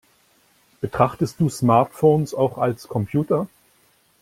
Betrachtest du Smartphones auch als Computer?